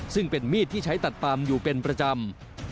ซึ่งเป็นมีดที่ใช้ตัดปามอยู่เป็นประจำ